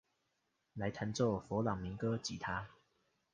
來彈奏佛朗明哥吉他